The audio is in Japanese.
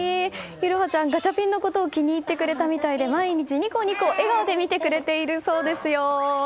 彩羽ちゃん、ガチャピンのこと気に入ってくれたみたいで毎日ニコニコ笑顔で見てくれているそうですよ。